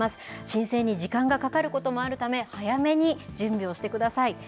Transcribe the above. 申請に時間がかかることもあるため、早めに準備をしてください。